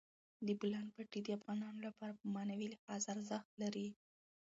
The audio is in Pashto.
د بولان پټي د افغانانو لپاره په معنوي لحاظ ارزښت لري.